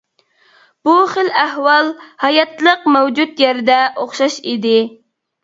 بۇ خىل ئەھۋال ھاياتلىق مەۋجۇت يەردە ئوخشاش ئىدى.